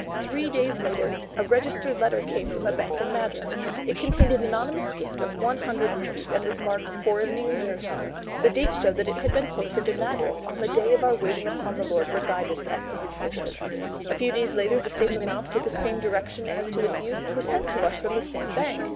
Three days later a registered letter came from a bank in Madras. It contained an anonymous gift of one hundred rupees, and was marked, "For a new nursery." The date showed that it had been posted in Madras on the day of our waiting upon God for guidance as to His wishes. A few days later, the same amount, with the same direction as to its use, was sent to us from the same bank.